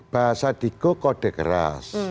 bahasa diko kode keras